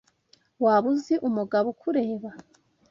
Waba uzi umugabo ukureba?